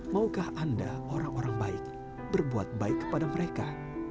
maukah anda orang orang baik berbuat baik kepada mereka